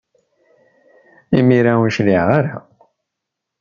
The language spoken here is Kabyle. Imir-a ur cɣileɣ ara.